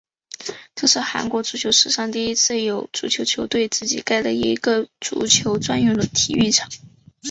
这是韩国足球史上第一次有足球球队自己盖了一个足球专用的体育场。